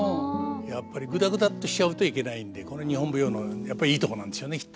やっぱりぐだぐだってしちゃうといけないんでこれ日本舞踊のやっぱりいいとこなんですよねきっとね。